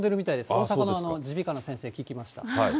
大阪の耳鼻科の先生に聞きました。